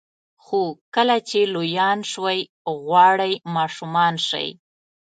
خو کله چې لویان شوئ غواړئ ماشومان شئ.